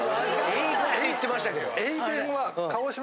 頴娃語って言ってましたけど。